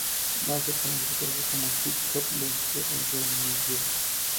Mazar comenzó su carrera como hip-hop b-girl en la ciudad de Nueva York.